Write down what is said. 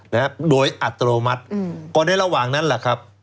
นะฮะโดยอัตโนมัติอืมก็ในระหว่างนั้นแหละครับ